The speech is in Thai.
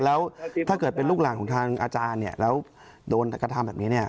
แล้วถ้าเกิดเป็นลูกหลานของทางอาจารย์เนี่ยแล้วโดนกระทำแบบนี้เนี่ย